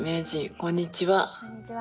こんにちは。